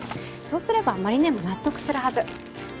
そうすれば麻里姉も納得するはず。